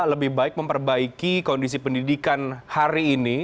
lebih baik memperbaiki kondisi pendidikan hari ini